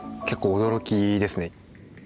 結構驚きですね。